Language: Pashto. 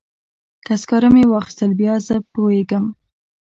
که سکاره مې واخیستل بیا زه پوهیږم.